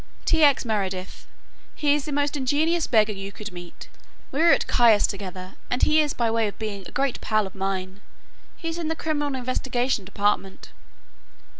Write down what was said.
"T. X. Meredith. He is the most ingenious beggar you could meet. We were at Caius together, and he is by way of being a great pal of mine. He is in the Criminal Investigation Department."